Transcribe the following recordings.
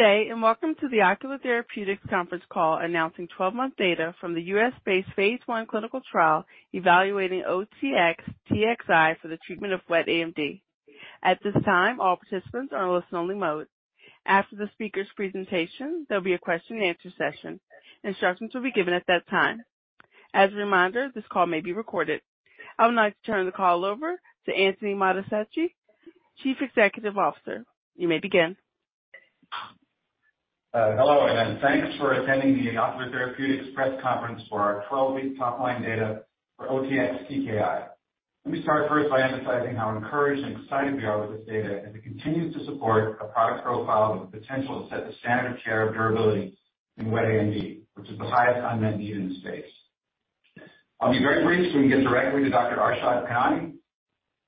Good day, and welcome to the Ocular Therapeutix conference call announcing 12-month data from the U.S.-based phase 1 clinical trial evaluating OTX-TKI for the treatment of wet AMD. At this time, all participants are on listen-only mode. After the speaker's presentation, there'll be a question-and-answer session. Instructions will be given at that time. As a reminder, this call may be recorded. I would now like to turn the call over to Antony Mattessich, Chief Executive Officer. You may begin. Hello, and thanks for attending the Ocular Therapeutix press conference for our 12-week top-line data for OTX-TKI. Let me start first by emphasising how encouraged and excited we are with this data, as it continues to support a product profile with the potential to set the standard of care of durability in wet AMD, which is the highest unmet need in the space. I'll be very brief so we can get directly to Dr. Arshad Khanani.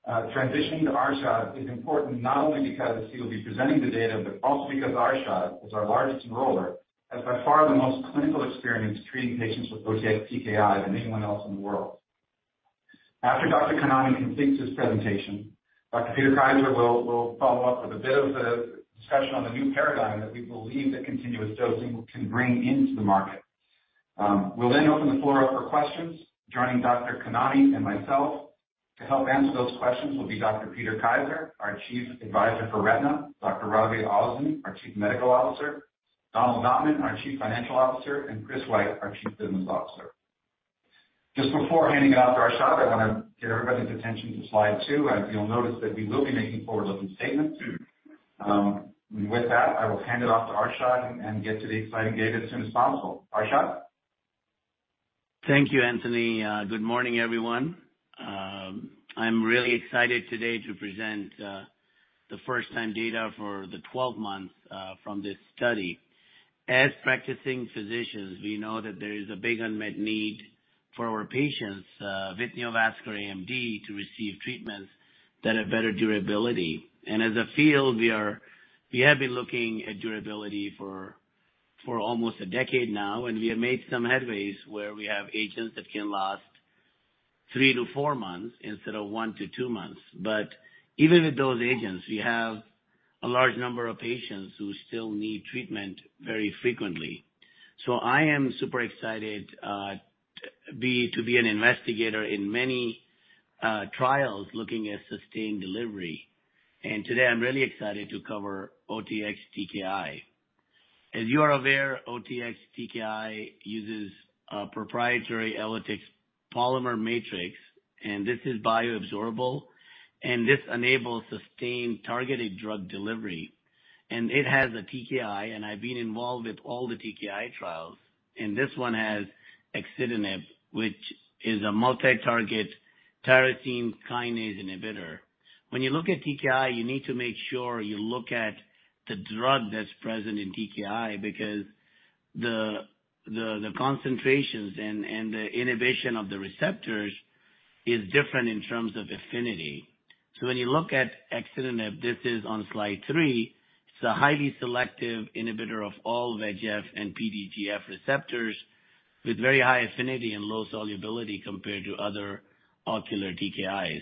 Transitioning to Arshad is important, not only because he will be presenting the data, but also because Arshad is our largest en-roller, has by far the most clinical experience treating patients with OTX-TKI than anyone else in the world. After Dr. Khanani completes his presentation, Dr. Peter Kaiser will follow up with a bit of the discussion on the new paradigm that we believe that continuous dosing can bring into the market. We'll then open the floor up for questions. Joining Dr. Khanani and myself to help answer those questions will be Dr. Peter Kaiser, our Chief Advisor for Retina, Dr. Rabia Ozden, our Chief Medical Officer, Donald Notman, our Chief Financial Officer, and Chris White, our Chief Business Officer. Just before handing it off to Arshad, I want to get everybody's attention to slide two. As you'll notice that we will be making forward-looking statements today. With that, I will hand it off to Arshad and get to the exciting data as soon as possible. Arshad? Thank you, Anthony. Good morning, everyone. I'm really excited today to present the first-time data for the 12 months from this study. As practicing physicians, we know that there is a big unmet need for our patients with neovascular AMD to receive treatments that have better durability. As a field, we have been looking at durability for almost a decade now. We have made some headways where we have agents that can last 3 to 4 months instead of 1 to 2 months. Even with those agents, we have a large number of patients who still need treatment very frequently. I am super excited to be an investigator in many trials looking at sustained delivery. Today I'm really excited to cover OTX-TKI. As you are aware, OTX-TKI uses a proprietary ELUTYX polymer matrix, and this is bioabsorbable, and this enables sustained targeted drug delivery. It has a TKI, and I've been involved with all the TKI trials, and this one has axitinib, which is a multi-target tyrosine kinase inhibitor. When you look at TKI, you need to make sure you look at the drug that's present in TKI, because the concentrations and the inhibition of the receptors is different in terms of affinity. When you look at axitinib, this is on slide 3, it's a highly selective inhibitor of all VEGF and PDGF receptors, with very high affinity and low solubility compared to other ocular TKIs.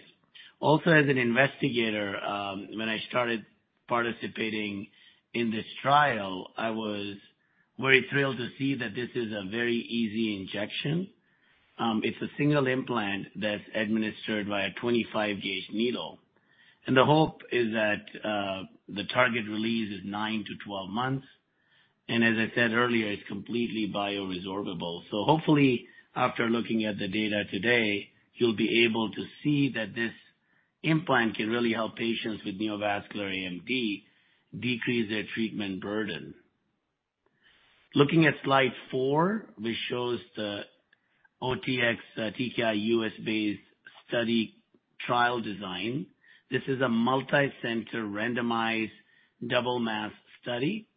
Also, as an investigator, when I started participating in this trial, I was very thrilled to see that this is a very easy injection. It's a single implant that's administered by a 25 gauge needle. The hope is that the target release is 9 to 12 months, and as I said earlier, it's completely bioresorbable. Hopefully, after looking at the data today, you'll be able to see that this implant can really help patients with neovascular AMD decrease their treatment burden. Looking at slide 4, which shows the OTX-TKI U.S.-based study trial design. This is a multi-centre, randomised, double-masked study.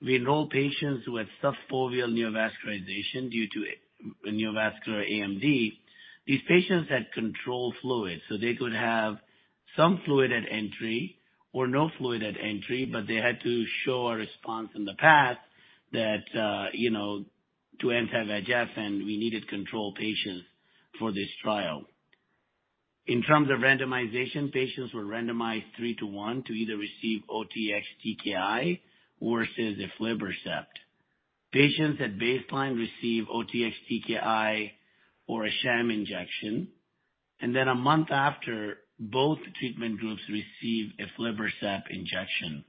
We enrol patients who have subfoveal neovascularization due to a neovascular AMD. These patients had controlled fluid, so they could have some fluid at entry or no fluid at entry, but they had to show a response in the past that, you know, to anti-VEGF, and we needed control patients for this trial. In terms of randomisation, patients were randomised 3 to 1 to either receive OTX-TKI or aflibercept. Patients at baseline receive OTX-TKI or a sham injection. 1 month after, both treatment groups receive aflibercept injection.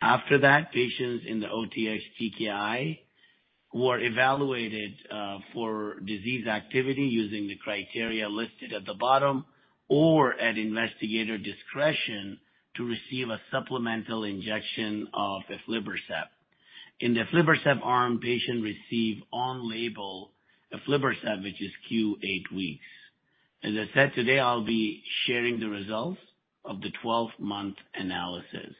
After that, patients in the OTX-TKI who are evaluated for disease activity, using the criteria listed at the bottom, or at investigator discretion, to receive a supplemental injection of aflibercept. In the aflibercept arm, patient receive on-label aflibercept, which is Q8 weeks. As I said, today, I'll be sharing the results of the 12-month analysis.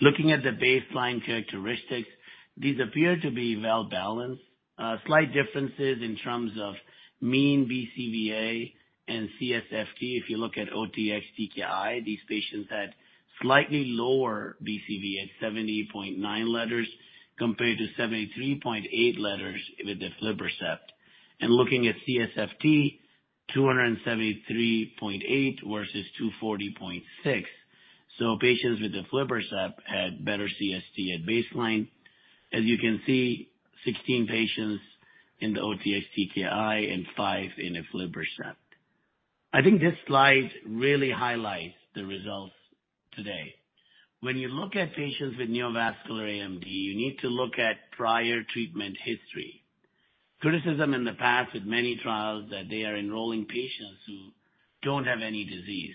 Looking at the baseline characteristics, these appear to be well-balanced. Slight differences in terms of mean BCVA and CSFT. If you look at OTX-TKI, these patients had slightly lower BCVA, 70.9 letters, compared to 73.8 letters with aflibercept. Looking at CSFT. 273.8 versus 240.6. Patients with aflibercept had better CST at baseline. As you can see, 16 patients in the OTX-TKI and 5 in aflibercept. I think this slide really highlights the results today. When you look at patients with neovascular AMD, you need to look at prior treatment history. Criticism in the past with many trials, that they are enrolling patients who don't have any disease.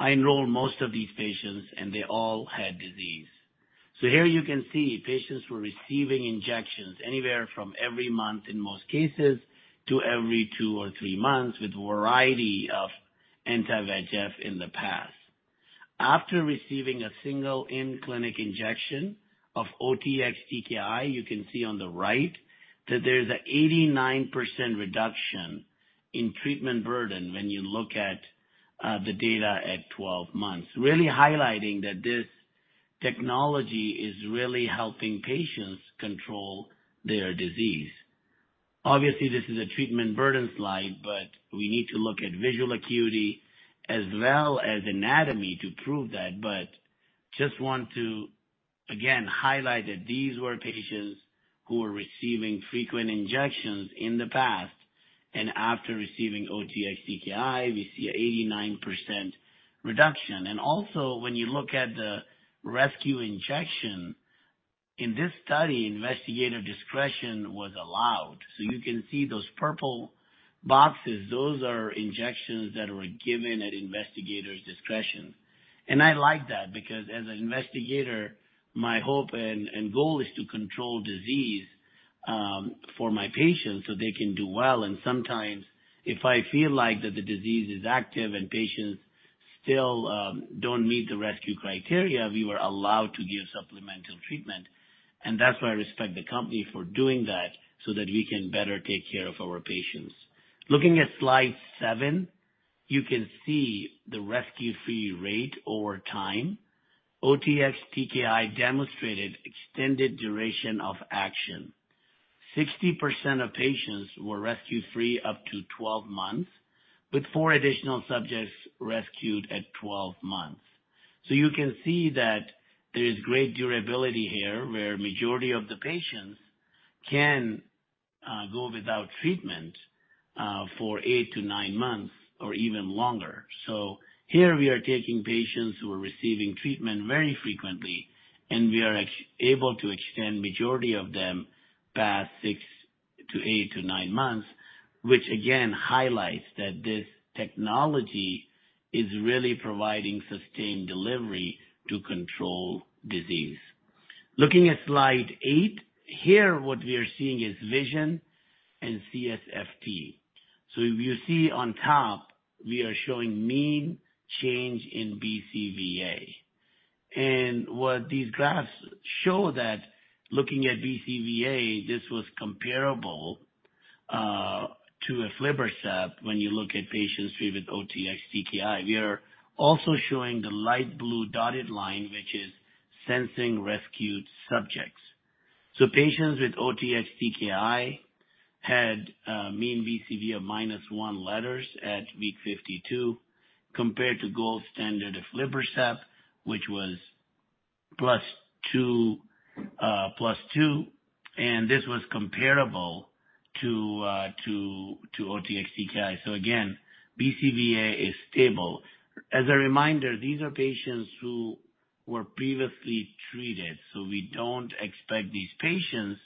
I enrolled most of these patients, and they all had disease. Here you can see patients were receiving injections anywhere from every month, in most cases, to every 2 or 3 months, with a variety of anti-VEGF in the past. After receiving a single in-clinic injection of OTX-TKI, you can see on the right that there is a 89% reduction in treatment burden when you look at the data at 12 months. Really highlighting that this technology is really helping patients control their disease. Obviously, this is a treatment burden slide, we need to look at visual acuity as well as anatomy to prove that. Just want to, again, highlight that these were patients who were receiving frequent injections in the past, and after receiving OTX-TKI, we see a 89% reduction. Also, when you look at the rescue injection, in this study, investigator discretion was allowed. You can see those purple boxes, those are injections that were given at investigator's discretion. I like that, because as an investigator, my hope and goal is to control disease for my patients so they can do well. Sometimes if I feel like that the disease is active and patients still don't meet the rescue criteria, we were allowed to give supplemental treatment. That's why I respect the company for doing that, so that we can better take care of our patients. Looking at slide seven, you can see the rescue-free rate over time. OTX-TKI demonstrated extended duration of action. 60% of patients were rescue-free up to 12 months, with four additional subjects rescued at 12 months. You can see that there is great durability here, where majority of the patients can go without treatment for 8 to 9 months or even longer. Here we are taking patients who are receiving treatment very frequently, and we are able to extend majority of them past 6-8 to 9 months, which again, highlights that this technology is really providing sustained delivery to control disease. Looking at slide eight, here, what we are seeing is vision and CSFT. If you see on top, we are showing mean change in BCVA. What these graphs show that looking at BCVA, this was comparable to aflibercept when you look at patients treated with OTX-TKI. We are also showing the light blue dotted line, which is sensing rescued subjects. Patients with OTX-TKI had a mean BCVA of -1 letters at week 52, compared to gold standard aflibercept, which was +2, +2, and this was comparable to OTX-TKI. Again, BCVA is stable. As a reminder, these are patients who were previously treated, so we don't expect these patients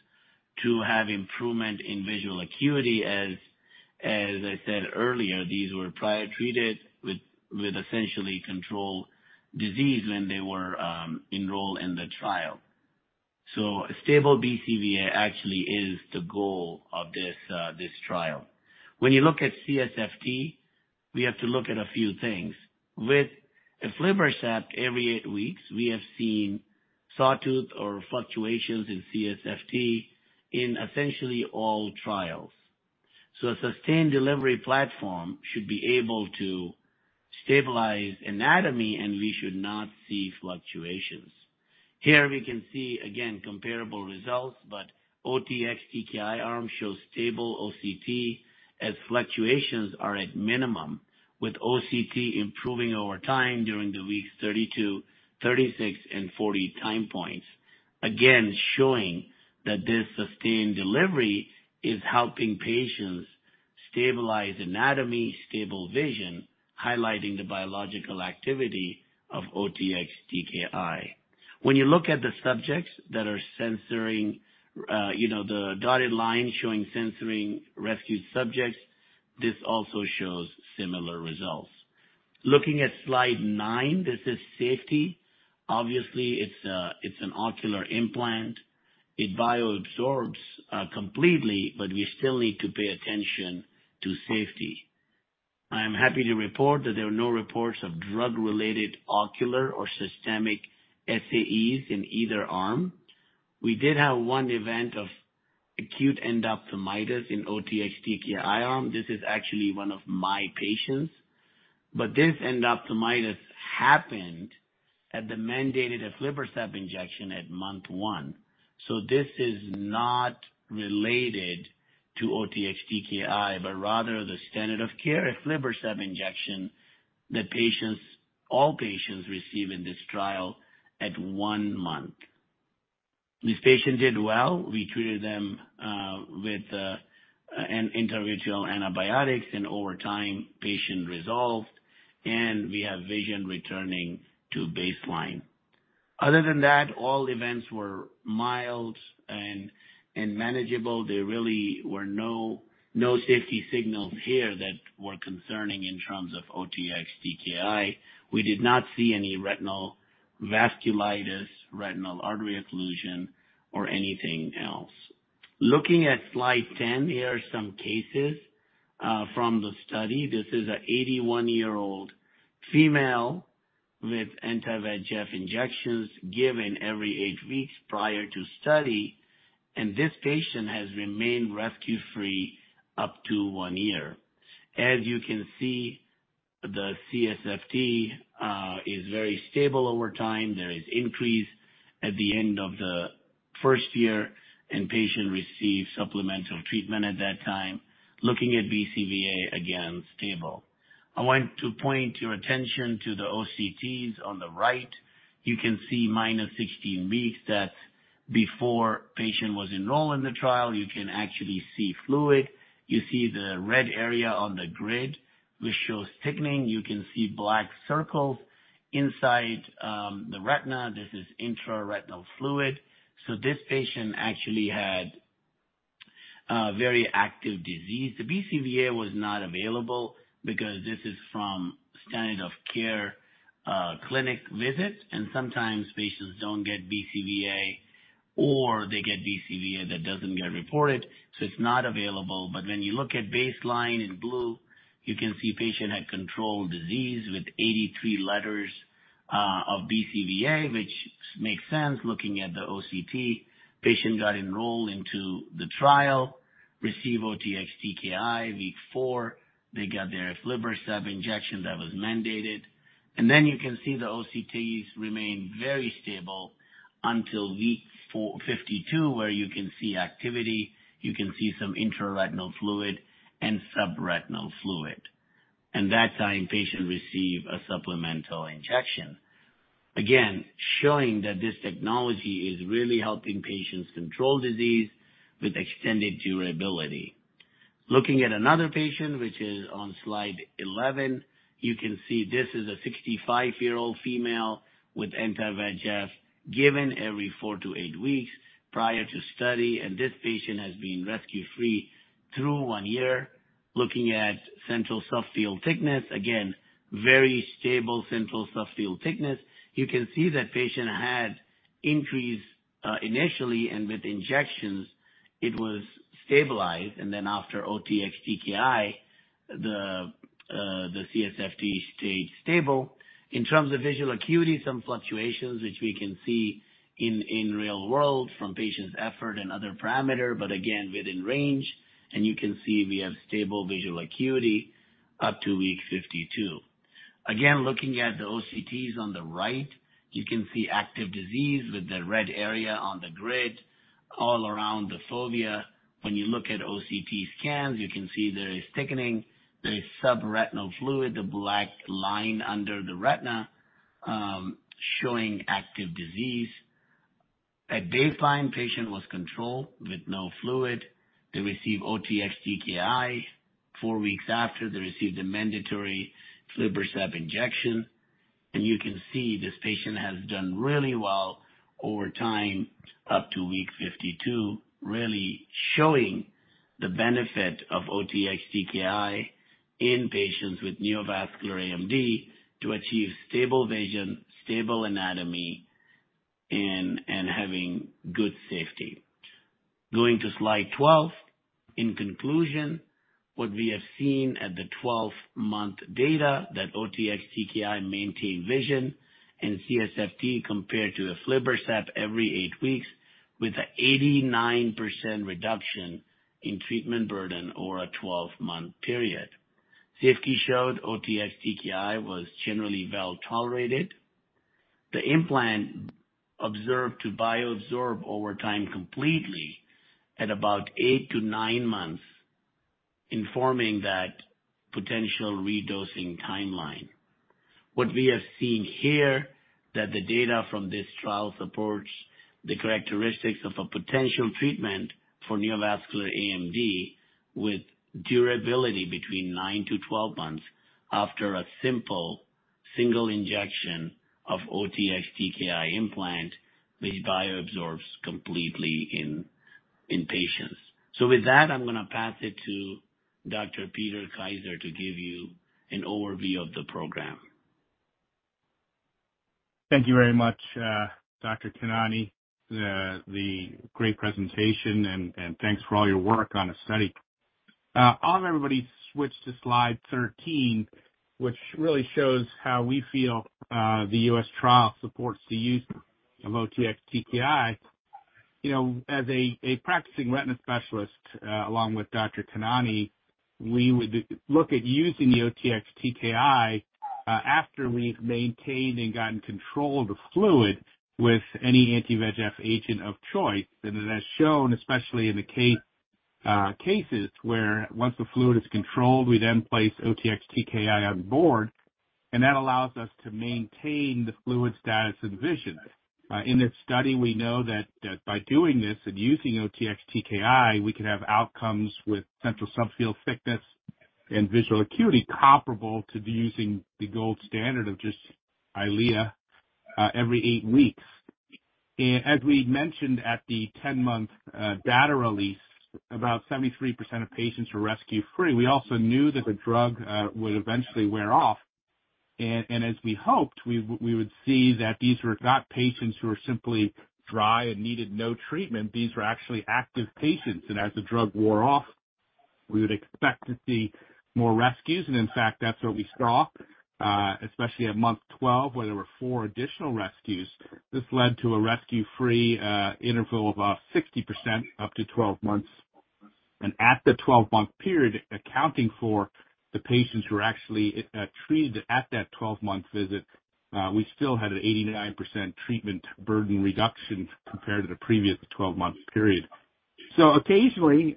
to have improvement in visual acuity. As I said earlier, these were prior treated with essentially controlled disease when they were enrolled in the trial. A stable BCVA actually is the goal of this trial. You look at CSFT, we have to look at a few things. With aflibercept every eight weeks, we have seen sawtooth or fluctuations in CSFT in essentially all trials. A sustained delivery platform should be able to stabilise anatomy, and we should not see fluctuations. Here we can see, again, comparable results, OTX-TKI arm shows stable OCT as fluctuations are at minimum, with OCT improving over time during the weeks 32, 36, and 40 time points. Showing that this sustained delivery is helping patients stabilise anatomy, stable vision, highlighting the biological activity of OTX-TKI. You look at the subjects that are censoring, you know, the dotted line showing censoring rescued subjects, this also shows similar results. Looking at slide nine, this is safety. It's an ocular implant. It bioabsorbs completely, we still need to pay attention to safety. I am happy to report that there were no reports of drug-related ocular or systemic SAEs in either arm. We did have one event of acute endophthalmitis in OTX-TKI arm. This is actually one of my patients. This endophthalmitis happened at the mandated aflibercept injection at month 1. This is not related to OTX-TKI, but rather the standard of care, aflibercept injection, that patients, all patients receive in this trial at 1 month. This patient did well. We treated them with an intravitreal antibiotics, and over time, patient resolved, and we have vision returning to baseline. Other than that, all events were mild and manageable. There really were no safety signals here that were concerning in terms of OTX-TKI. We did not see any retinal vasculitis, retinal artery occlusion, or anything else. Looking at slide 10, here are some cases from the study. This is a 81-year-old female with anti-VEGF injections, given every eight weeks prior to study. This patient has remained rescue-free up to one year. As you can see, the CSFT is very stable over time. There is increase at the end of the first year. Patient received supplemental treatment at that time. Looking at BCVA, again, stable. I want to point your attention to the OCTs on the right. You can see minus 16 weeks, that's before patient was enrolled in the trial. You can actually see fluid. You see the red area on the grid, which shows thickening. You can see black circles inside the retina. This is intraretinal fluid. This patient actually had very active disease. The BCVA was not available because this is from standard of care clinic visit, and sometimes patients don't get BCVA, or they get BCVA that doesn't get reported, so it's not available. When you look at baseline in blue, you can see patient had controlled disease with 83 letters of BCVA, which makes sense looking at the OCT. Patient got enrolled into the trial, received OTX-TKI. Week 4, they got their aflibercept injection that was mandated. You can see the OCTs remained very stable until week 52, where you can see activity, you can see some intraretinal fluid and subretinal fluid. That time, patient received a supplemental injection. Again, showing that this technology is really helping patients control disease with extended durability. Looking at another patient, which is on slide 11, you can see this is a 65-year-old female with anti-VEGF, given every 4 to 8 weeks prior to study. This patient has been rescue-free through one year. Looking at central subfield thickness, again, very stable central subfield thickness. You can see that patient had increase initially. With injections it was stabilised, then after OTX-TKI, the CSFT stayed stable. In terms of visual acuity, some fluctuations, which we can see in real world from patients' effort and other parameter. Again, within range. You can see we have stable visual acuity up to week 52. Again, looking at the OCTs on the right, you can see active disease with the red area on the grid all around the fovea. When you look at OCT scans, you can see there is thickening. There is subretinal fluid, the black line under the retina, showing active disease. At baseline, patient was controlled with no fluid. They received OTX-TKI. Four weeks after, they received a mandatory aflibercept injection, and you can see this patient has done really well over time, up to week 52, really showing the benefit of OTX-TKI in patients with neovascular AMD to achieve stable vision, stable anatomy, and having good safety. Going to slide 12. In conclusion, what we have seen at the 12-month data, that OTX-TKI maintained vision and CSFT compared to aflibercept every 8 weeks, with a 89% reduction in treatment burden over a 12-month period. Safety showed OTX-TKI was generally well-tolerated. The implant observed to bioabsorb over time completely at about 8 to 9 months, informing that potential redosing timeline. What we have seen here, that the data from this trial supports the characteristics of a potential treatment for neovascular AMD, with durability between 9 to 12 months after a simple single injection of OTX-TKI implant, which bioabsorbs completely in patients. With that, I'm going to pass it to Dr. Peter Kaiser to give you an overview of the program. Thank you very much, Dr. Kanani, the great presentation, and thanks for all your work on the study. I'll have everybody switch to slide 13, which really shows how we feel, the U.S. trial supports the use of OTX-TKI. You know, as a practicing retina specialist, along with Dr. Kanani, we would look at using the OTX-TKI after we've maintained and gotten control of the fluid with any anti-VEGF agent of choice. It has shown, especially in the cases, where once the fluid is controlled, we then place OTX-TKI on board, and that allows us to maintain the fluid status and vision. In this study, we know that by doing this and using OTX-TKI, we can have outcomes with central subfield thickness and visual acuity comparable to using the gold standard of just EYLEA every eight weeks. As we mentioned at the 10-month data release, about 73% of patients were rescue-free. We also knew that the drug would eventually wear off. As we hoped, we would see that these were not patients who were simply dry and needed no treatment. These were actually active patients, and as the drug wore off, we would expect to see more rescues. In fact, that's what we saw especially at month 12, where there were four additional rescues. This led to a rescue-free interval of about 60% up to 12 months. At the 12-month period, accounting for the patients who were actually treated at that 12-month visit, we still had an 89% treatment burden reduction compared to the previous 12-month period. Occasionally,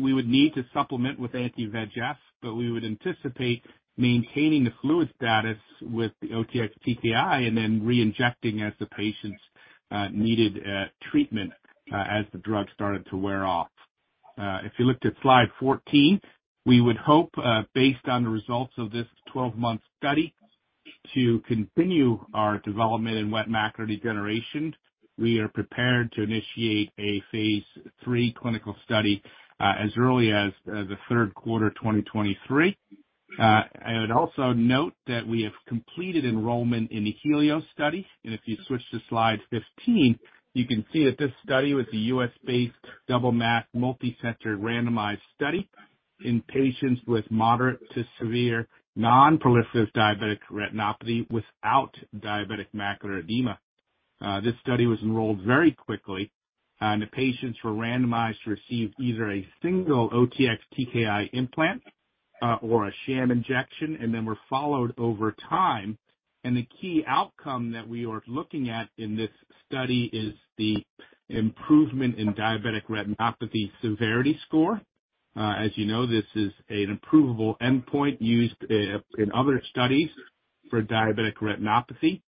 we would need to supplement with anti-VEGF, but we would anticipate maintaining the fluid status with the OTX-TKI and then reinfecting as the patients needed treatment as the drug started to wear off. If you looked at slide 14, we would hope, based on the results of this 12-month study, to continue our development in wet macular degeneration. We are prepared to initiate a phase 3 clinical study as early as the third quarter, 2023. I would also note that we have completed enrolment in the HELIOS study. If you switch to slide 15, you can see that this study was a U.S.-based double-mask, multi-centre, randomised study in patients with moderate to severe nonproliferative diabetic retinopathy without diabetic macular edema. This study was enrolled very quickly. The patients were randomised to receive either a single OTX-TKI implant or a sham injection. Then were followed over time. The key outcome that we are looking at in this study is the improvement in Diabetic Retinopathy Severity Scale. As you know, this is an improvable endpoint used in other studies for diabetic retinopathy.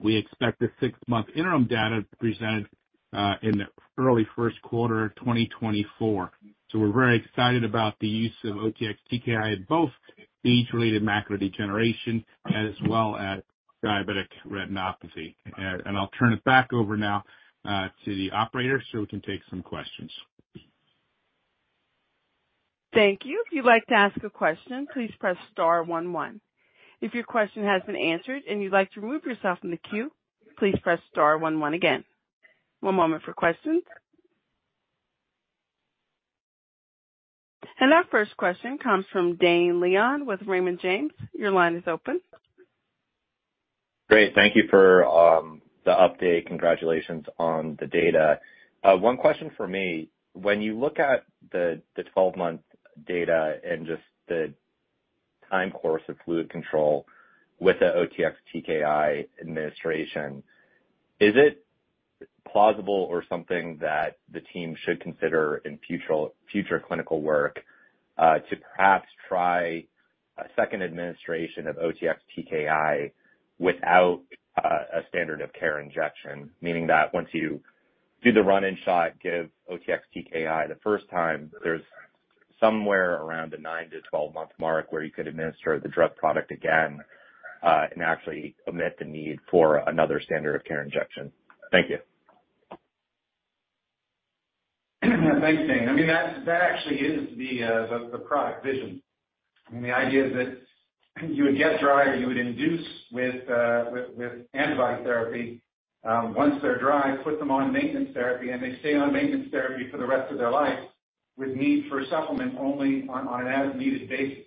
We expect the 6-month interim data presented in the early 1st quarter of 2024. We're very excited about the use of OTX-TKI in both age-related macular degeneration as well as diabetic retinopathy. I'll turn it back over now to the operator so we can take some questions. Thank you. If you'd like to ask a question, please press star one one. If your question has been answered and you'd like to remove yourself from the queue, please press star one one again. One moment for questions. Our first question comes from Dane Leone with Raymond James. Your line is open. Great. Thank you for the update. Congratulations on the data. 1 question from me. When you look at the 12-month data and just the time course of fluid control with the OTX-TKI administration, is it plausible or something that the team should consider in future clinical work, to perhaps try a second administration of OTX-TKI without a standard of care injection? Meaning that once you do the run-in shot, give OTX-TKI the first time, there's somewhere around the 9 to 12 month mark where you could administer the drug product again, and actually omit the need for another standard of care injection? Thank you. Thanks, Dane. I mean, that actually is the product vision. I mean, the idea is that you would get dry, you would induce with antibody therapy. Once they're dry, put them on maintenance therapy, and they stay on maintenance therapy for the rest of their life, with need for supplement only on an as-needed basis.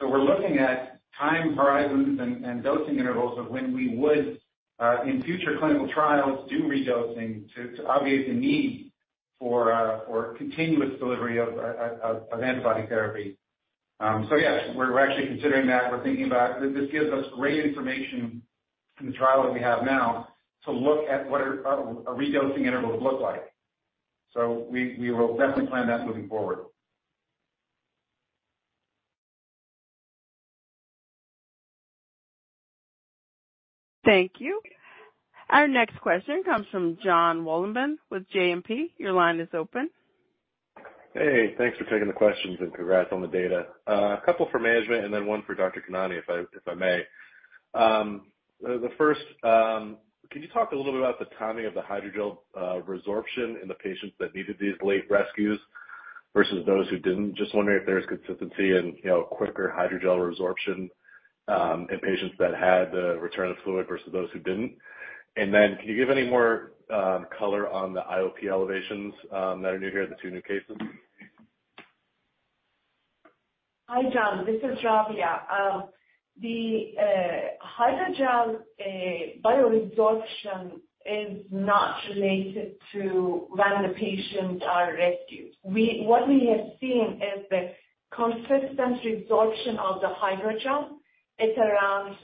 We're looking at time horizons and dosing intervals of when we would in future clinical trials, do re-dosing to obviate the need for continuous delivery of antibody therapy. Yes, we're actually considering that. We're thinking about. This gives us great information in the trial that we have now to look at what a re-dosing interval would look like. We will definitely plan that moving forward. Thank you. Our next question comes from John Wallenben with JMP. Your line is open. Hey, thanks for taking the questions and congrats on the data. A couple for management and then one for Dr. Kanani, if I may. The first, can you talk a little bit about the timing of the hydrogel resorption in the patients that needed these late rescues versus those who didn't? Just wondering if there's consistency and, you know, quicker hydrogel resorption in patients that had the return of fluid versus those who didn't. Can you give any more color on the IOP elevations that are new here in the two new cases? Hi, John, this is Rabia. The hydrogel bioresorption is not related to when the patients are rescued. What we have seen is the consistent resorption of the hydrogel is around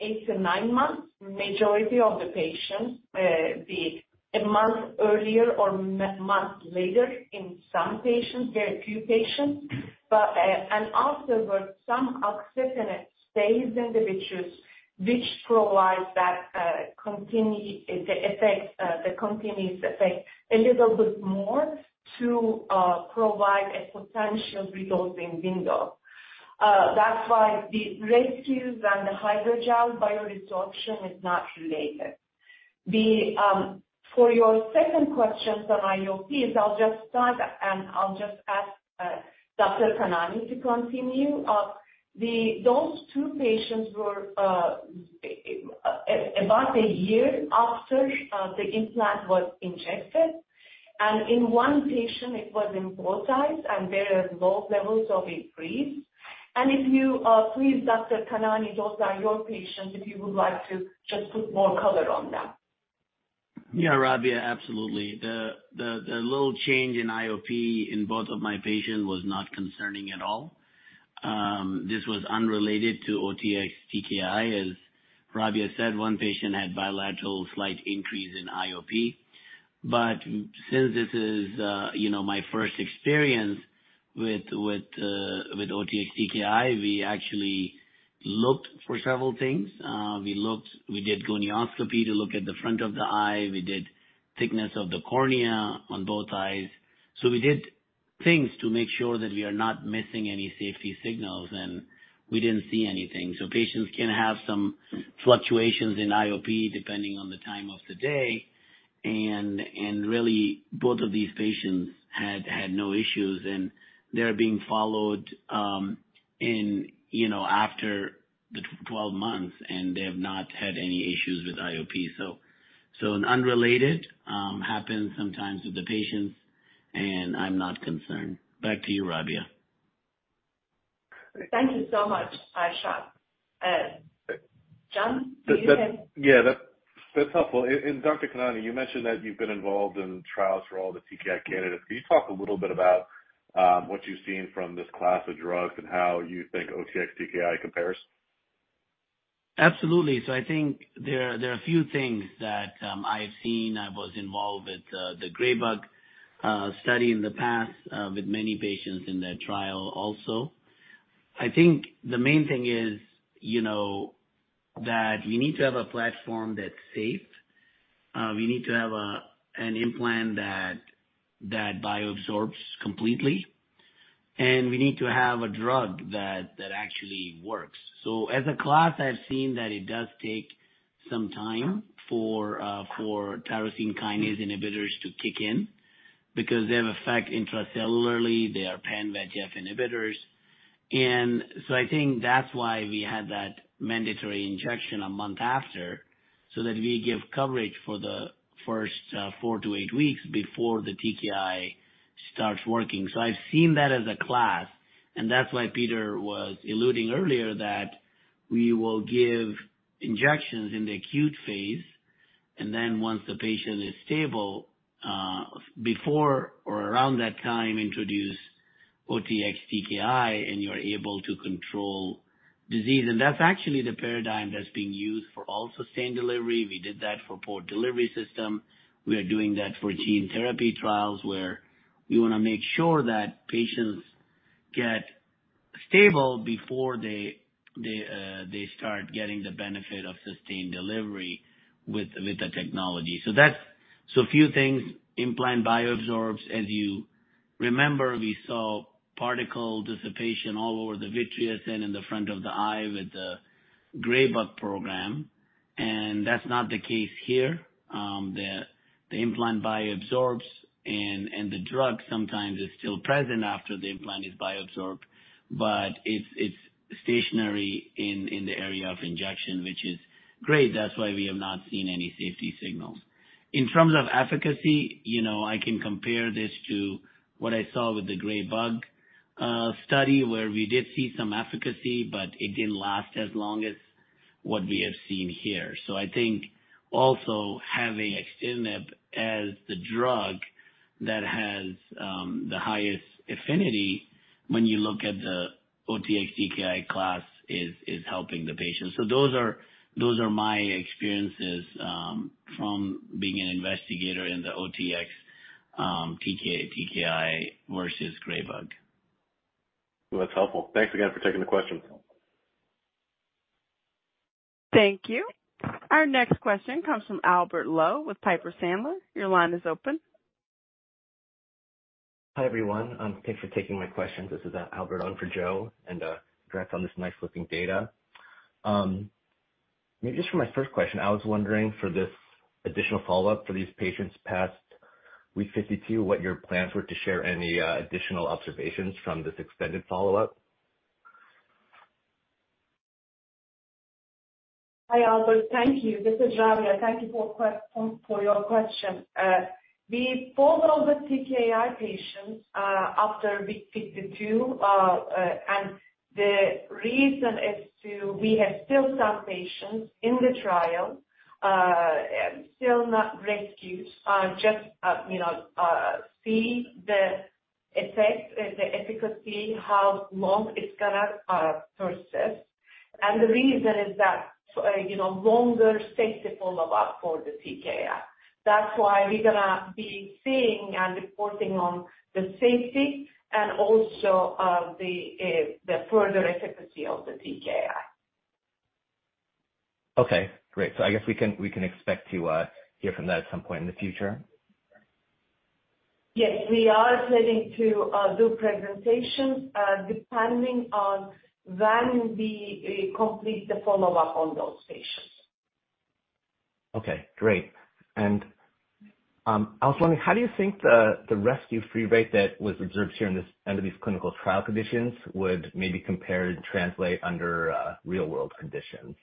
8 to 9 months. Majority of the patients, be a month earlier or month later in some patients, there are a few patients. And also where some axitinib stays in the tissues, which provides that continuous effect a little bit more to provide a potential resorbing window. That's why the rescues and the hydrogel bioresorption is not related. For your second question on IOPs, I'll just start, and I'll just ask Dr. Khanani to continue. Those two patients were about a year after the implant was injected. In one patient, it was in both eyes. There are low levels of increase. If you, please, Dr. Kanani, those are your patients, if you would like to just put more color on them. Rabia, absolutely. The little change in IOP in both of my patients was not concerning at all. This was unrelated to OTX-TKI. As Rabia said, 1 patient had bilateral slight increase in IOP. Since this is, you know, my first experience with OTX-TKI, we actually looked for several things. We did gonioscopy to look at the front of the eye. We did thickness of the cornea on both eyes. We did things to make sure that we are not missing any safety signals, and we didn't see anything. Patients can have some fluctuations in IOP depending on the time of the day, and really, both of these patients had no issues, and they're being followed, you know, after the 12 months, and they have not had any issues with IOP. An unrelated happens sometimes with the patients, and I'm not concerned. Back to you, Rabia. Thank you so much, Arshad. John. Yeah, that's helpful. Dr. Kanani, you mentioned that you've been involved in trials for all the TKI candidates. Can you talk a little bit about what you've seen from this class of drugs and how you think OTX-TKI compares? Absolutely. I think there are a few things that I've seen. I was involved with the Graybug Vision study in the past with many patients in that trial also. I think the main thing is, you know, that you need to have a platform that's safe. We need to have an implant that bioabsorbs completely, and we need to have a drug that actually works. As a class, I've seen that it does take some time for tyrosine kinase inhibitors to kick in because they have effect intracellularly. They are pan VEGF inhibitors. I think that's why we had that mandatory injection a month after, so that we give coverage for the first 4 to 8 weeks before the TKI starts working. I've seen that as a class, and that's why Peter Kaiser was alluding earlier that we will give injections in the acute phase, and then once the patient is stable, before or around that time, introduce OTX-TKI, and you're able to control disease. That's actually the paradigm that's being used for all sustained delivery. We did that for Port Delivery System. We are doing that for gene therapy trials, where we want to make sure that patients get stable before they start getting the benefit of sustained delivery with the technology. That's a few things, implant bioabsorbs. As you remember, we saw particle dissipation all over the vitreous and in the front of the eye with the Graybug Vision program. That's not the case here. The implant bioabsorbs, and the drug sometimes is still present after the implant is bioabsorbed, but it's stationary in the area of injection, which is great. That's why we have not seen any safety signals. In terms of efficacy, you know, I can compare this to what I saw with the Graybug Vision study, where we did see some efficacy, but it didn't last as long as what we have seen here. I think also having axitinib as the drug that has the highest affinity when you look at the OTX-TKI class, is helping the patient. Those are my experiences from being an investigator in the OTX TKI versus Graybug Vision. Well, that's helpful. Thanks again for taking the question. Thank you. Our next question comes from Albert Lo with Piper Sandler. Your line is open. Hi, everyone. Thanks for taking my questions. This is Albert on for Joe, and congrats on this nice-looking data. Maybe just for my first question, I was wondering for this additional follow-up for these patients past week 52, what your plans were to share any additional observations from this extended follow-up? Hi, Albert, thank you. This is Rabia. Thank you for your question. We pulled all the OTX-TKI patients after week 52. The reason is to, we have still some patients in the trial, still not rescued, just, you know, see the effect, the efficacy, how long it's going to persist. The reason is that, you know, longer safety follow-up for the OTX-TKI. That's why we're going to be seeing and reporting on the safety and also, the further efficacy of the TKI. Okay, great. I guess we can expect to hear from that at some point in the future? Yes, we are planning to do presentations depending on when we complete the follow-up on those patients. Okay, great. I was wondering, how do you think the rescue free rate that was observed here in this, under these clinical trial conditions would maybe compare and translate under real world conditions?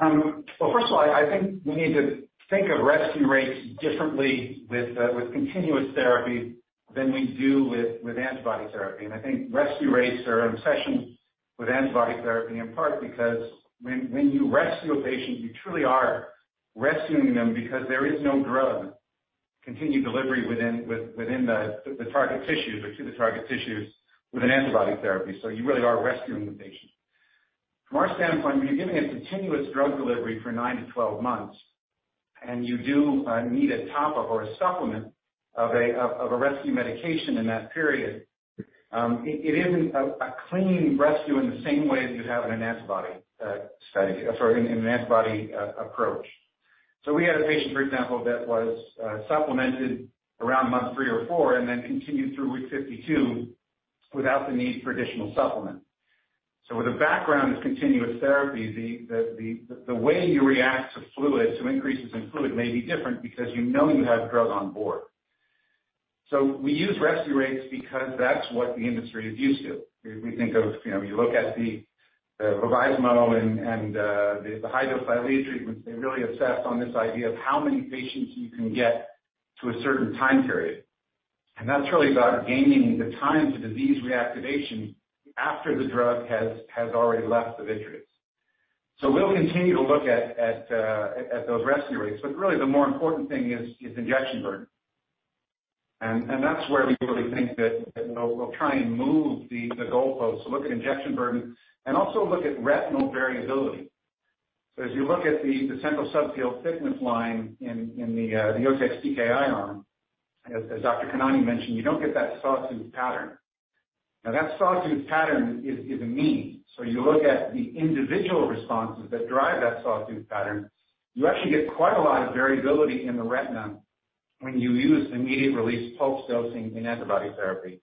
Well, first of all, I think we need to think of rescue rates differently with continuous therapy than we do with antibody therapy. I think rescue rates are obsession with antibody therapy, in part because when you rescue a patient, you truly are rescuing them because there is no drug continued delivery within the target tissues or to the target tissues with an antibody therapy. You really are rescuing the patient. From our standpoint, when you're giving a continuous drug delivery for 9 to 12 months, you do need a top-up or a supplement of a rescue medication in that period, it isn't a clean rescue in the same way as you'd have in an antibody study, or in an antibody approach. We had a patient, for example, that was supplemented around month three or four and then continued through week 52 without the need for additional supplement. With a background of continuous therapy, the way you react to fluid, to increases in fluid, may be different because you know you have drug on board. We use rescue rates because that's what the industry is used to. We think of, you know, you look at the ranibizumab and the hydropylase treatments, they're really obsessed on this idea of how many patients you can get to a certain time period. That's really about gaining the time to disease reactivation after the drug has already left the vitreous. We'll continue to look at those rescue rates. Really, the more important thing is injection burden. That's where we really think that, you know, we'll try and move the goalposts to look at injection burden and also look at retinal variability. As you look at the central subfield thickness line in the OTX-TKI arm, as Dr. Khanani mentioned, you don't get that sawtooth pattern. Now, that sawtooth pattern is a mean. You look at the individual responses that drive that sawtooth pattern, you actually get quite a lot of variability in the retina when you use immediate-release pulse dosing in antibody therapy.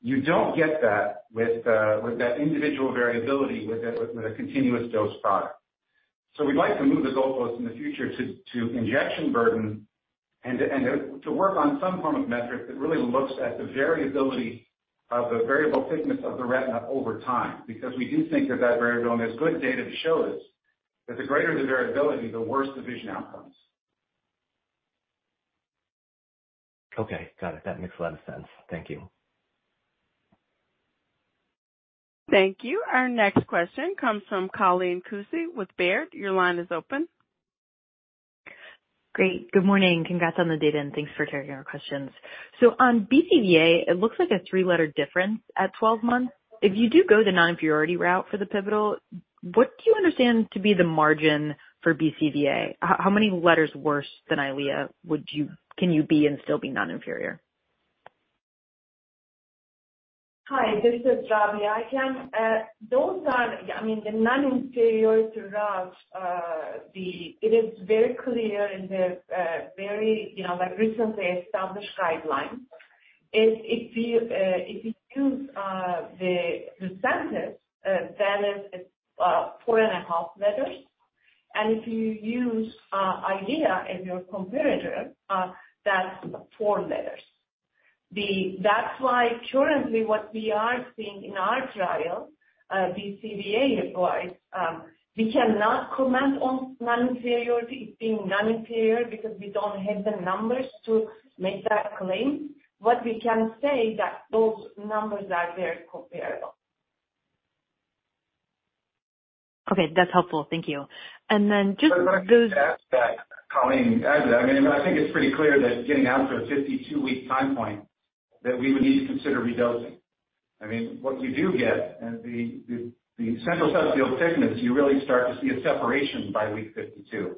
You don't get that with that individual variability, with a continuous dose product. We'd like to move the goalposts in the future to injection burden and to work on some form of metric that really looks at the variability of the variable thickness of the retina over time, because we do think that that variability, and there's good data to show this, that the greater the variability, the worse the vision outcomes. Okay, got it. That makes a lot of sense. Thank you. Thank you. Our next question comes from Colleen Kusy with Baird. Your line is open. Great. Good morning. Congrats on the data, thanks for taking our questions. On BCVA, it looks like a 3-letter difference at 12 months. If you do go the non-inferiority route for the pivotal, what do you understand to be the margin for BCVA? How many letters worse than EYLEA can you be and still be non-inferior? Hi, this is Rabia. I can, those are, I mean, the non-inferiority route, it is very clear in the very, you know, like, recently established guidelines. If you, if you choose the sentence that is 4 and a half letters, and if you use EYLEA as your comparator, that's 4 letters. That's why currently what we are seeing in our trial, BCVA advice, we cannot comment on non-inferiority being non-inferior, because we don't have the numbers to make that claim. What we can say that those numbers are very comparable. Okay. That's helpful. Thank you. To add to that, Colleen, I mean, I think it's pretty clear that getting out to a 52-week time point, that we would need to consider re-dosing. I mean, what you do get, and the central subfield thickness, you really start to see a separation by week 52.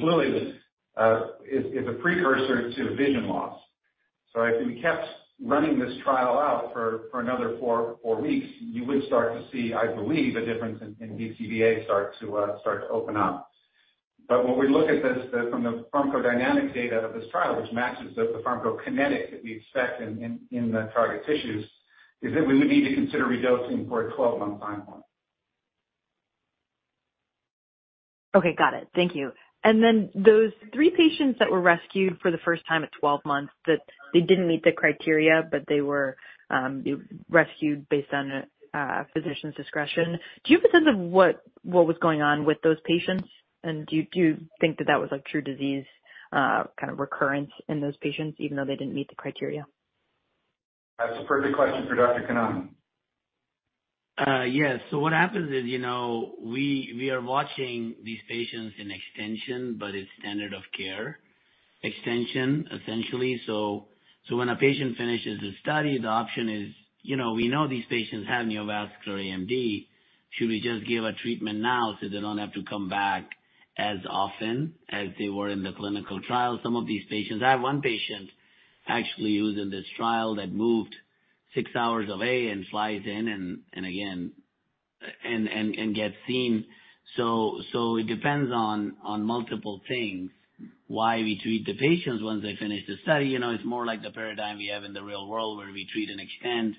Fluid is a precursor to vision loss. If we kept running this trial out for another 4 weeks, you would start to see, I believe, a difference in BCVA start to open up. When we look at this, from the pharmacodynamic data of this trial, which matches the pharmacokinetic that we expect in the target tissues, is that we would need to consider re-dosing for a 12-month time point. Okay, got it. Thank you. Then those three patients that were rescued for the first time at 12 months, that they didn't meet the criteria, but they were rescued based on physician's discretion. Do you have a sense of what was going on with those patients? Do you think that that was a true disease kind of recurrence in those patients, even though they didn't meet the criteria? That's a perfect question for Dr. Khanani. Yes. What happens is, you know, we are watching these patients in extension, but it's standard of care extension, essentially. When a patient finishes the study, the option is, you know, we know these patients have neovascular AMD. Should we just give a treatment now so they don't have to come back as often as they were in the clinical trial? Some of these patients. I have one patient actually, who's in this trial, that moved six hours away and flies in and again, and gets seen. It depends on multiple things why we treat the patients once they finish the study. You know, it's more like the paradigm we have in the real world, where we treat and extend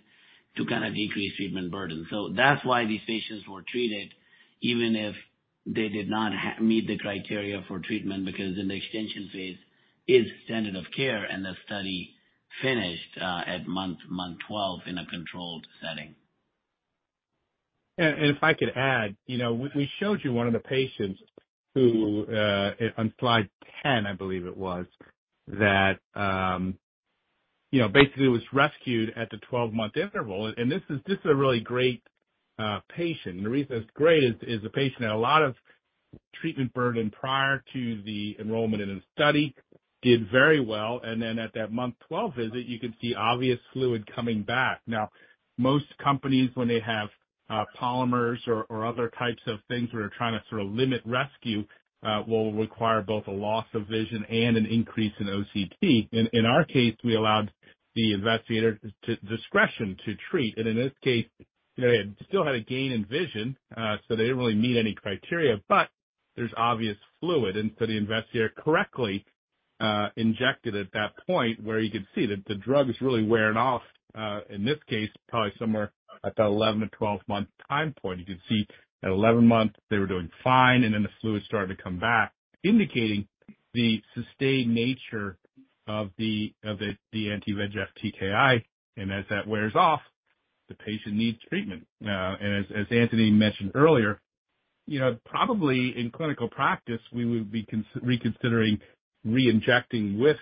to kind of decrease treatment burden. That's why these patients were treated, even if they did not meet the criteria for treatment, because in the extension phase, it's standard of care, and the study finished at month 12 in a controlled setting. Yeah, if I could add, you know, we showed you one of the patients who on slide 10, I believe it was, that, you know, basically was rescued at the 12-month interval. This is just a really great patient. The reason it's great is the patient had a lot of treatment burden prior to the enrollment in the study, did very well, and then at that month 12 visit, you can see obvious fluid coming back. Most companies, when they have polymers or other types of things where we're trying to sort of limit rescue, will require both a loss of vision and an increase in OCT. In our case, we allowed the investigator to discretion to treat, in this case, you know, he still had a gain in vision, so they didn't really meet any criteria, but there's obvious fluid. The investigator correctly injected at that point, where you could see that the drug is really wearing off, in this case, probably somewhere at the 11 to 12 month time point. You can see at 11 months they were doing fine, then the fluid started to come back, indicating the sustained nature of the anti-VEGF TKI. As that wears off, the patient needs treatment. As Antony mentioned earlier, you know, probably in clinical practice, we would be reconsidering re-injecting with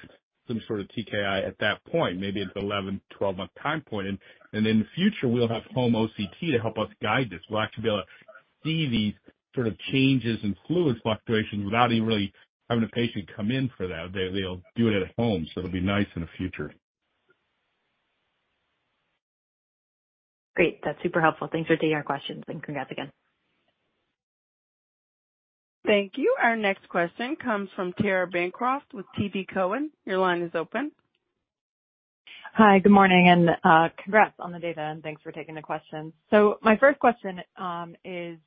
some sort of TKI at that point, maybe at the 11 to 12 month time point. In the future, we'll have home OCT to help us guide this. We'll actually be able to see these sort of changes in fluid fluctuations without even really having a patient come in for that. They'll do it at home, so it'll be nice in the future. Great. That's super helpful. Thanks for taking our questions, and congrats again. Thank you. Our next question comes from Tara Bancroft with TD Cowen. Your line is open. Hi, good morning, and congrats on the data. Thanks for taking the questions. My first question is: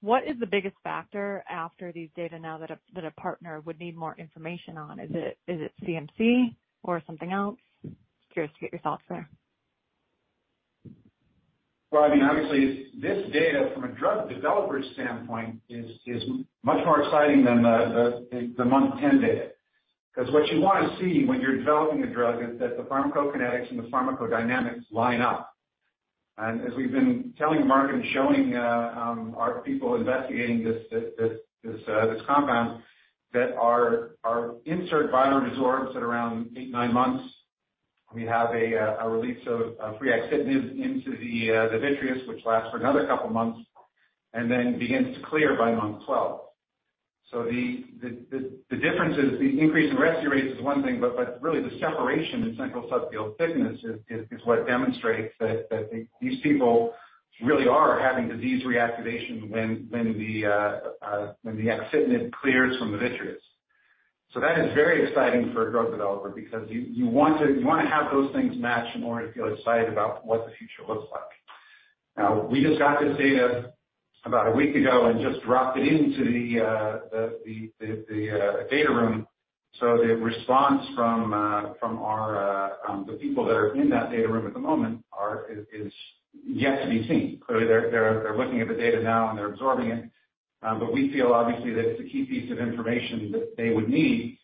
What is the biggest factor after these data now that a partner would need more information on? Is it CMC or something else? Curious to get your thoughts there. Well, I mean, obviously, this data from a drug developer standpoint is much more exciting than the month 10 data. What you want to see when you're developing a drug is that the pharmacokinetics and the pharmacodynamics line up. As we've been telling the market and showing our people investigating this compound, that our insert bio resorbs at around 8 to 9 months. We have a release of free axitinib into the vitreous, which lasts for another couple of months and then begins to clear by month 12. The difference is the increase in rescue rates is one thing, but really the separation in central subfield thickness is what demonstrates that these people really are having disease reactivation when the axitinib clears from the vitreous. That is very exciting for a drug developer because you want to have those things match in order to feel excited about what the future looks like. Now, we just got this data about a week ago and just dropped it into the data room. The response from our people that are in that data room at the moment is yet to be seen. Clearly, they're looking at the data now, and they're absorbing it. We feel obviously that it's a key piece of information that they would need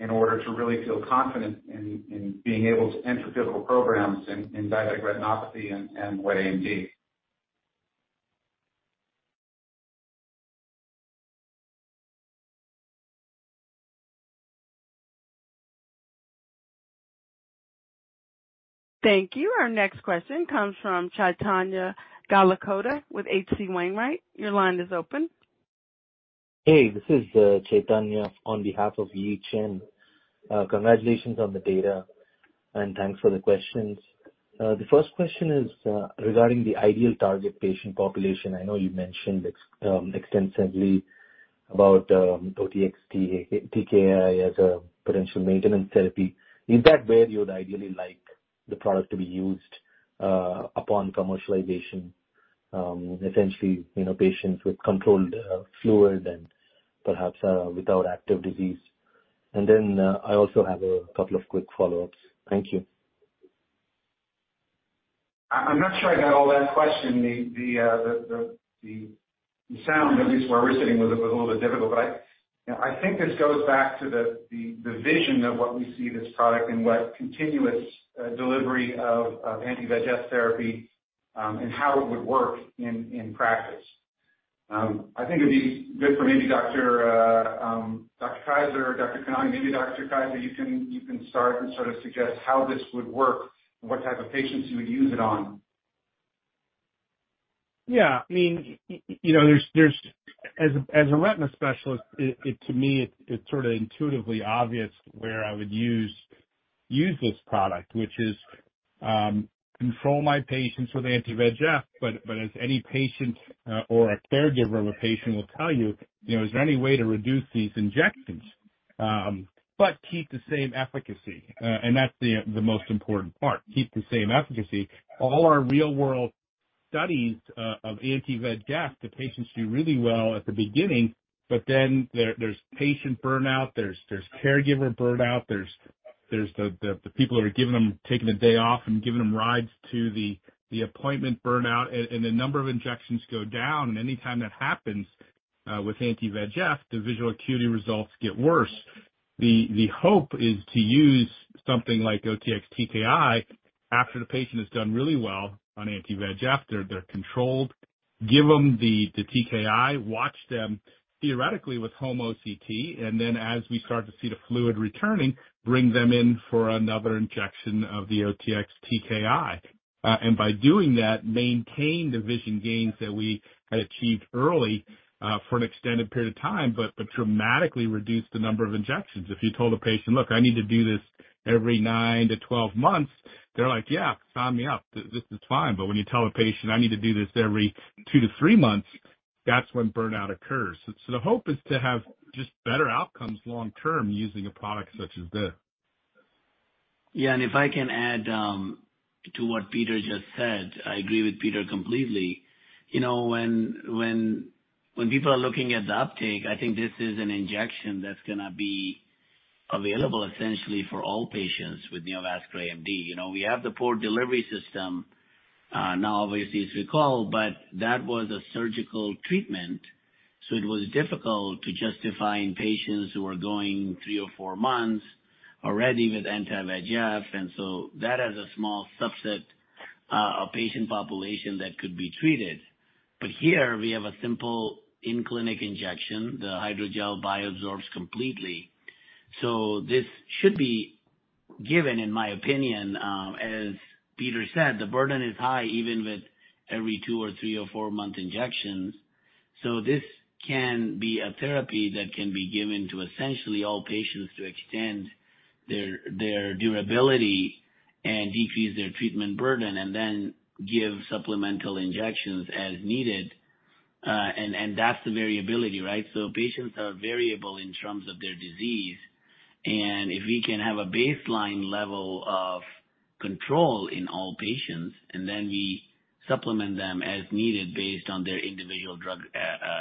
in order to really feel confident in being able to enter clinical programs in diabetic retinopathy and wet AMD. Thank you. Our next question comes from Chaitanya Gallakota with H.C. Wainwright. Your line is open. Hey, this is Chaitanya on behalf of Yi Chen. Congratulations on the data, thanks for the questions. The first question is regarding the ideal target patient population. I know you mentioned extensively about OTX-TKI as a potential maintenance therapy. Is that where you would ideally like the product to be used upon commercialisation? Essentially, you know, patients with controlled fluid and perhaps without active disease. I also have a couple of quick follow-ups. Thank you. I'm not sure I got all that question. The sound, at least where we're sitting, was a little bit difficult. I think this goes back to the vision of what we see this product and what continuous delivery of anti-VEGF therapy and how it would work in practice. I think it'd be good for maybe Dr. Kaiser or Dr. Khanani. Maybe Dr. Kaiser, you can start and sort of suggest how this would work and what type of patients you would use it on. Yeah, I mean, you know, there's as a retina specialist, it to me, it's sort of intuitively obvious where I would use this product, which is control my patients with anti-VEGF. As any patient or a caregiver of a patient will tell you know, is there any way to reduce these injections, but keep the same efficacy? That's the most important part, keep the same efficacy. All our real world studies of anti-VEGF, the patients do really well at the beginning, but then there's patient burnout, there's caregiver burnout, there's the people who are taking the day off and giving them rides to the appointment burnout, and the number of injections go down. Anytime that happens, with anti-VEGF, the visual acuity results get worse. The hope is to use something like OTX-TKI after the patient has done really well on anti-VEGF, they're controlled, give them the TKI, watch them theoretically with home OCT, and then as we start to see the fluid returning, bring them in for another injection of the OTX-TKI. By doing that, maintain the vision gains that we had achieved early, for an extended period of time, but dramatically reduce the number of injections. If you told a patient, "Look, I need to do this every 9 to 12 months," they're like, "Yeah, sign me up. This is fine." When you tell a patient, "I need to do this every 2 to 3 months," that's when burnout occurs. The hope is to have just better outcomes long term using a product such as this. If I can add to what Peter just said, I agree with Peter completely. You know, when people are looking at the uptake, I think this is an injection that's going to be available essentially for all patients with neovascular AMD. You know, we have the Port Delivery System, now obviously, as we call, but that was a surgical treatment, so it was difficult to justify in patients who are going three or four months already with anti-VEGF. That is a small subset of patient population that could be treated. Here, we have a simple in-clinic injection. The hydrogel bioabsorbs completely. This should be given, in my opinion, as Peter said, the burden is high, even with every two or three or four-month injections. This can be a therapy that can be given to essentially all patients to extend their durability and decrease their treatment burden, and then give supplemental injections as needed. And that's the variability, right? Patients are variable in terms of their disease, and if we can have a baseline level of control in all patients, and then we supplement them as needed based on their individual drug,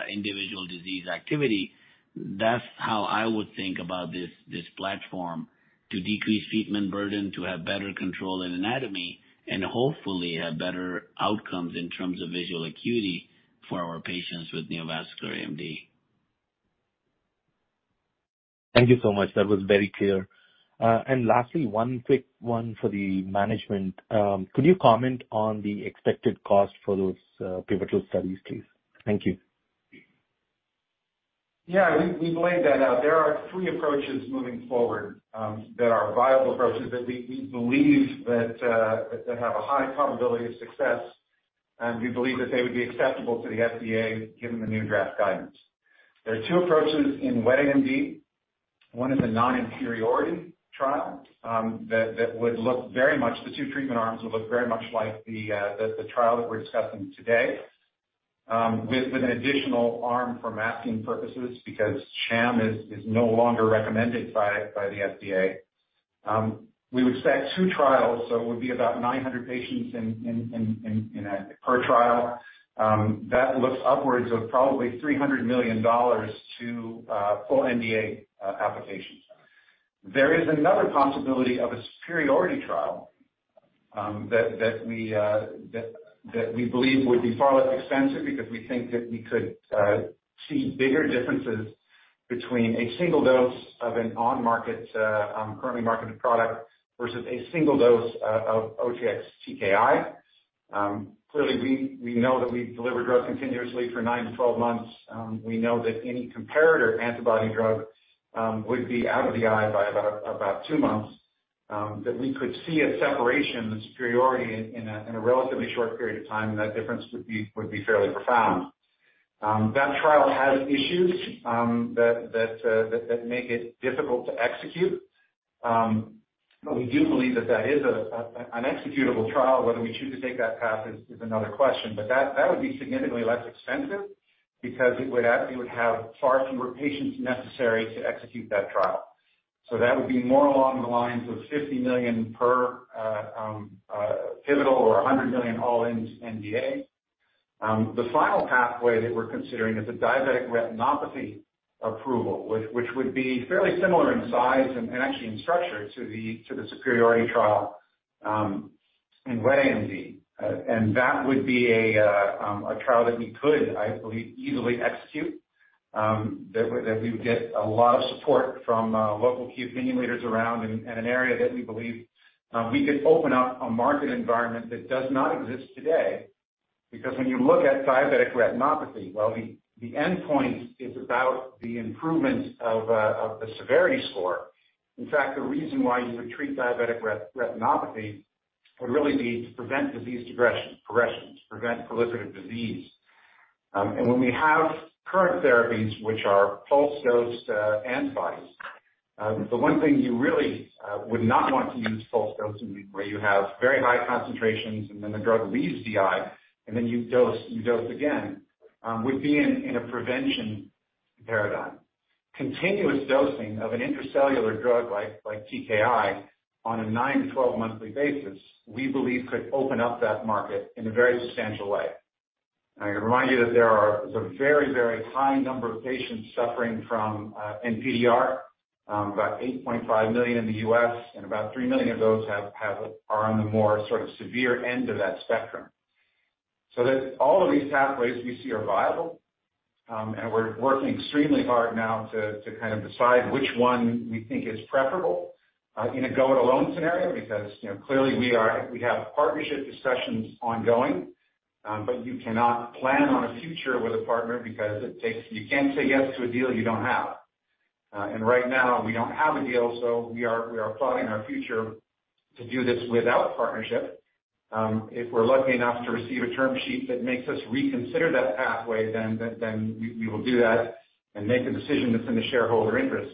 individual disease activity, that's how I would think about this platform, to decrease treatment burden, to have better control in anatomy, and hopefully, have better outcomes in terms of visual acuity for our patients with neovascular AMD. Thank you so much. That was very clear. Lastly, one quick one for the management. Could you comment on the expected cost for those pivotal studies, please? Thank you. We've laid that out. There are three approaches moving forward that are viable approaches that we believe that have a high probability of success, and we believe that they would be acceptable to the FDA, given the new draft guidance. There are two approaches in wet AMD. One is a non-inferiority trial that would look very much. The two treatment arms would look very much like the trial that we're discussing today, with an additional arm for masking purposes, because sham is no longer recommended by the FDA. We would expect two trials, so it would be about 900 patients in a per trial. That looks upwards of probably $300 million to full NDA application. There is another possibility of a superiority trial that we believe would be far less expensive because we think that we could see bigger differences between a single dose of an on-market currently marketed product versus a single dose of OTX-TKI. Clearly, we know that we deliver drugs continuously for 9-12 months. We know that any comparator antibody drug would be out of the eye by about two months. That we could see a separation, the superiority in a relatively short period of time, that difference would be fairly profound. That trial has issues that make it difficult to execute. We do believe that that is an executable trial. Whether we choose to take that path is another question, but that would be significantly less expensive because it would have far fewer patients necessary to execute that trial. So that would be more along the lines of $50 million per pivotal or $100 million all-in NDA. The final pathway that we're considering is a diabetic retinopathy approval, which would be fairly similar in size and actually in structure to the superiority trial in wet AMD. And that would be a trial that we could, I believe, easily execute, that we would get a lot of support from local key opinion leaders around in an area that we believe we could open up a market environment that does not exist today. When you look at diabetic retinopathy, while the endpoint is about the improvement of the severity score, in fact, the reason why you would treat diabetic retinopathy would really be to prevent disease progression, to prevent proliferative disease. When we have current therapies, which are pulse-dosed antibodies, the one thing you really would not want to use pulse dosing, where you have very high concentrations and then the drug leaves the eye and then you dose again, would be in a prevention paradigm. Continuous dosing of an intracellular drug like TKI on a 9-12 monthly basis, we believe could open up that market in a very substantial way. I remind you that there are a very, very high number of patients suffering from NPDR, about 8.5 million in the U.S., and about 3 million of those have are on the more sort of severe end of that spectrum. All of these pathways we see are viable, and we're working extremely hard now to kind of decide which one we think is preferable in a go-it-alone scenario, because, you know, clearly we have partnership discussions ongoing, but you cannot plan on a future with a partner because it takes. You can't say yes to a deal you don't have. Right now, we don't have a deal, so we are, we are plotting our future to do this without partnership. If we're lucky enough to receive a term sheet that makes us reconsider that pathway, then we will do that and make a decision that's in the shareholder interest.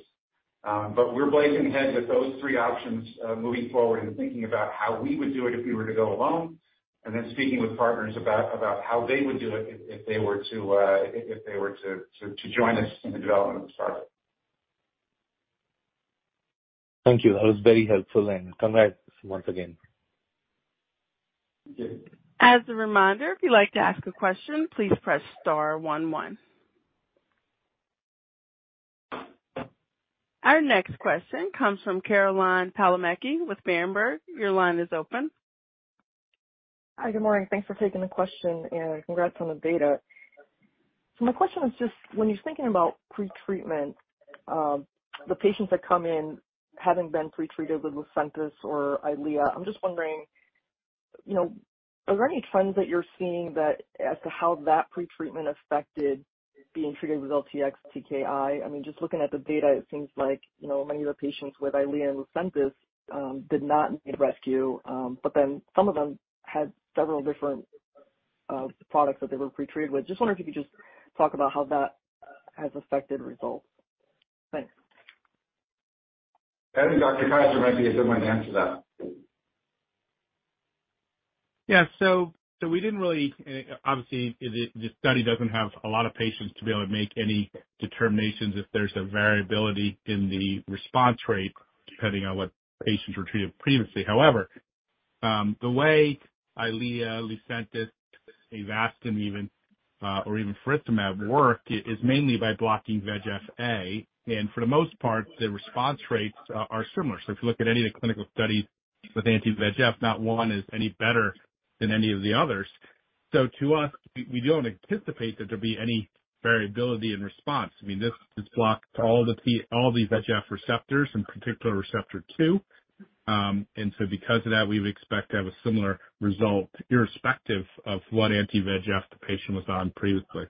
We're blazing ahead with those three options, moving forward and thinking about how we would do it if we were to go alone, and then speaking with partners about how they would do it if they were to join us in the development of the product. Thank you. That was very helpful, and congrats once again. As a reminder, if you'd like to ask a question, please press star one one. Our next question comes from Caroline Palomeque with Berenberg. Your line is open. Hi, good morning. Thanks for taking the question, and congrats on the data. My question is just, when you're thinking about pretreatment, the patients that come in having been pretreated with Lucentis or Eylea, I'm just wondering, you know, are there any trends that you're seeing that as to how that pretreatment affected being treated with OTX-TKI? I mean, just looking at the data, it seems like, you know, many of the patients with Eylea and Lucentis did not need rescue. Some of them had several different products that they were pretreated with. Just wondering if you could just talk about how that has affected results. Thanks. I think Dr. Kaiser might be a good one to answer that. We didn't really. Obviously, the study doesn't have a lot of patients to be able to make any determinations if there's a variability in the response rate, depending on what patients were treated previously. However, the way EYLEA, Lucentis, Avastin even, or even faricimab work is mainly by blocking VEGF-A, and for the most part, the response rates are similar. If you look at any of the clinical studies with anti-VEGF, not one is any better than any of the others. To us, we don't anticipate that there'll be any variability in response. I mean, this blocks all these VEGF receptors, in particular receptor two. Because of that, we would expect to have a similar result, irrespective of what anti-VEGF the patient was on previously.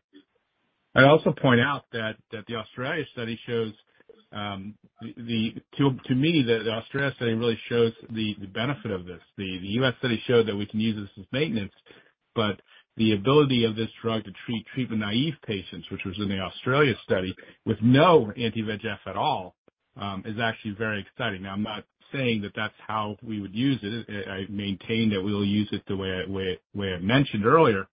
I'd also point out that the Australia study shows. To me, the Australia study really shows the benefit of this. The US study showed that we can use this as maintenance, but the ability of this drug to treat treatment-naive patients, which was in the Australia study, with no anti-VEGF at all, is actually very exciting. Now, I'm not saying that that's how we would use it. I maintain that we will use it the way I mentioned earlier.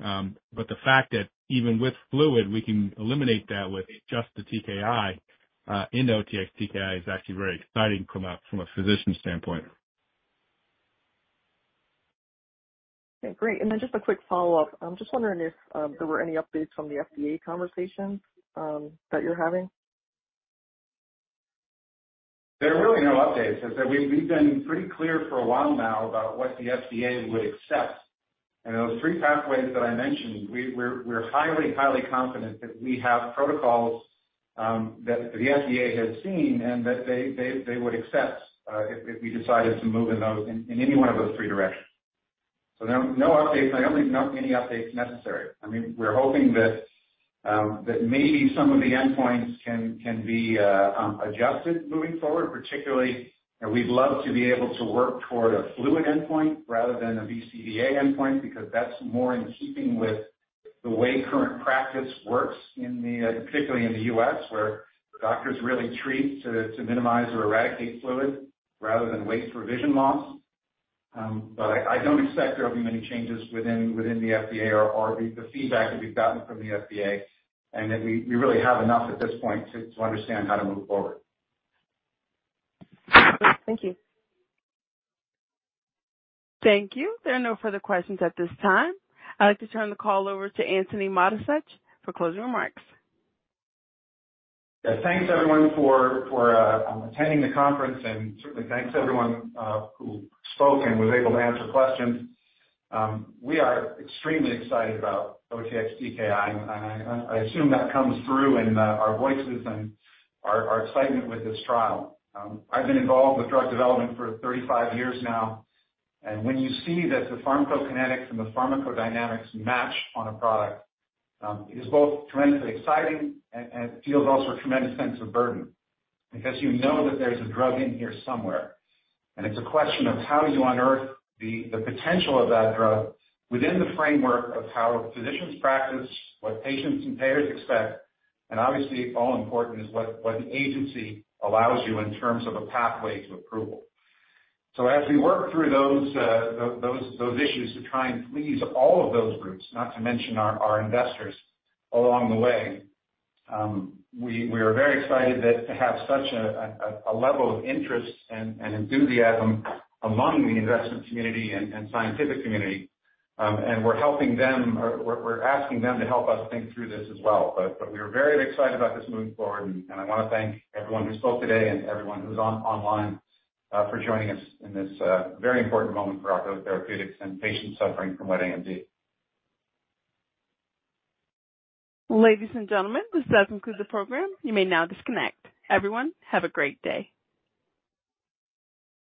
The fact that even with fluid, we can eliminate that with just the TKI in OTX-TKI, is actually very exciting from a physician standpoint. Okay, great. Just a quick follow-up. I'm just wondering if there were any updates from the FDA conversations that you're having? There are really no updates. As I said, we've been pretty clear for a while now about what the FDA would accept. Those 3 pathways that I mentioned, we're highly confident that we have protocols that the FDA has seen and that they would accept if we decided to move in those, in any one of those three directions. No updates, and I don't think not any updates necessary. I mean, we're hoping that maybe some of the endpoints can be adjusted moving forward. Particularly, we'd love to be able to work toward a fluid endpoint rather than a BCVA endpoint, because that's more in keeping with the way current practice works in the, particularly in the US, where doctors really treat to minimize or eradicate fluid rather than wait for vision loss. I don't expect there will be many changes within the FDA or the feedback that we've gotten from the FDA, and that we really have enough at this point to understand how to move forward. Thank you. Thank you. There are no further questions at this time. I'd like to turn the call over to Antony Mattessich for closing remarks. Yeah. Thanks, everyone, for attending the conference, certainly thanks to everyone who spoke and was able to answer questions. We are extremely excited about OTX-TKI, I assume that comes through in our voices and our excitement with this trial. I've been involved with drug development for 35 years now, when you see that the pharmacokinetics and the pharmacodynamics match on a product, it is both tremendously exciting and feels also a tremendous sense of burden. You know that there's a drug in here somewhere, it's a question of how do you unearth the potential of that drug within the framework of how physicians practice, what patients and payers expect, obviously, all important, is what the agency allows you in terms of a pathway to approval. As we work through those issues to try and please all of those groups, not to mention our investors along the way, we are very excited that to have such a level of interest and enthusiasm among the investment community and scientific community. We're helping them, or we're asking them to help us think through this as well. We are very excited about this moving forward, and I want to thank everyone who spoke today and everyone who's online for joining us in this very important moment for our therapeutics and patients suffering from wet AMD. Ladies and gentlemen, this does conclude the program. You may now disconnect. Everyone, have a great day!